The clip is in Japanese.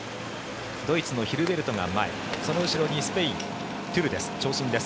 ドイツのヒルベルトが前その後ろにスペイン、トゥルです。